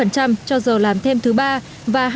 hai trăm hai mươi cho giờ làm thêm thứ ba và hai trăm bốn mươi